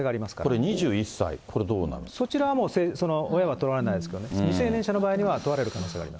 これ２１歳、そちらはもう、親は問われないですけどね、未成年者の場合は問われる可能性あり